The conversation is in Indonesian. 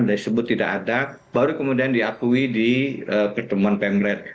disebut tidak ada baru kemudian diakui di pertemuan pemret